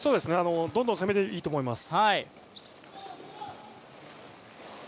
どんどん攻めていいと思います。